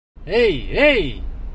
Эй, эй!